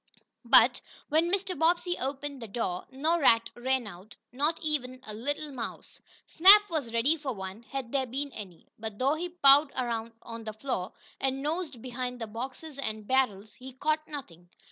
But, when Mr. Bobbsey opened the door, no rat ran out, not even a little mouse. Snap was ready for one, had there been any; but though he pawed around on the floor, and nosed behind the boxes and barrels, he caught nothing.